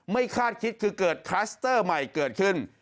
คาดคิดคือเกิดคลัสเตอร์ใหม่เกิดขึ้น